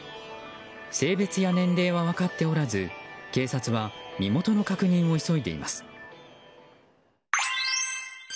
性別や年齢は分かっておらず警察は身元の確認を急いでいます。